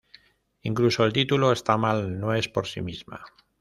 Incluso el título esta mal, no es por sí misma.